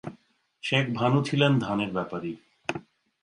শেখ ভানু ছিলেন ধানের বেপারী।